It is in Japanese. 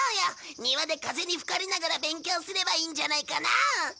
庭で風に吹かれながら勉強すればいいんじゃないかな？